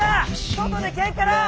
外でけんかだ。